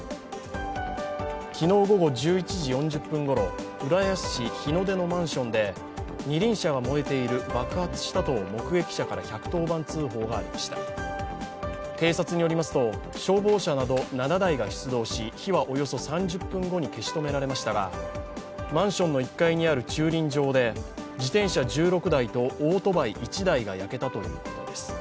昨日午後１１時４０分ごろ、浦安市日の出のマンションで二輪車が燃えている、爆発したと目撃者から１１０番通報がありました警察によりますと、消防車など７台が出動し火はおよそ３０分後に消し止められましたがマンションの１階にある駐輪場で自転車１６台とオートバイ１台が焼けたということです。